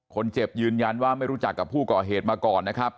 ยืนยันว่าไม่รู้จักกับผู้ก่อเหตุมาก่อนนะครับ